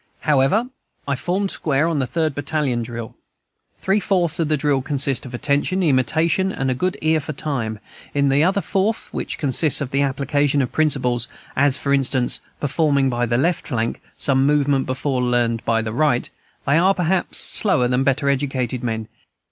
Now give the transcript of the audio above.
However, I "formed square" on the third battalion drill. Three fourths of drill consist of attention, imitation, and a good ear for time; in the other fourth, which consists of the application of principles, as, for instance, performing by the left flank some movement before learned by the right, they are perhaps slower than better educated men.